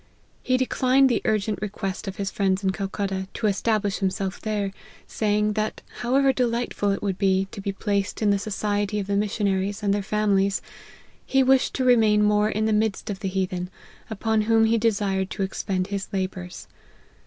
He declined the urgent request of his friends in Calcutta, to establish himself there, saying, that however delightful it would be, to be placed in the society of the missionaries and their families, he wished to remain more in the midst of the hea then, upon whom he desired to expend his labours.